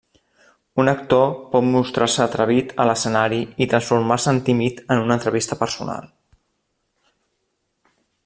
Un actor pot mostrar-se atrevit a l'escenari i transformar-se en tímid en una entrevista personal.